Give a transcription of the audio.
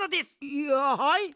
いやはい？